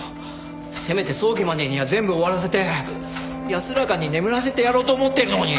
せめて葬儀までには全部終わらせて安らかに眠らせてやろうと思ってるのに！